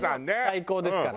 最高ですから。